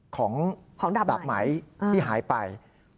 ของดาบไหมที่หายไป